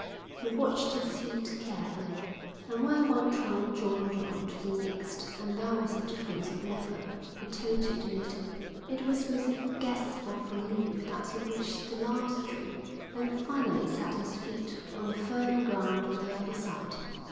He watched his feet carefully, and where one trunk joined on to the next and there was a difference of level, he tottered a little. It was with a gasp of relief that he reached the last tree and finally set his feet on the firm ground of the other side.